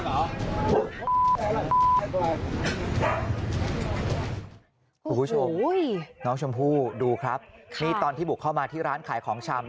คุณผู้ชมน้องชมพู่ดูครับนี่ตอนที่บุกเข้ามาที่ร้านขายของชำ